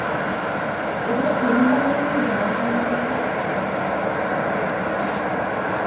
এবার সেমিফাইনালেই যাওয়া হয়নি কারও।